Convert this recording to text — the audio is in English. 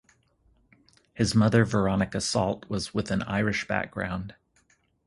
His mother Veronica Salt was with an Irish background.